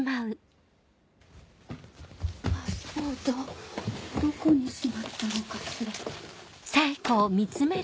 パスポートどこにしまったのかしら。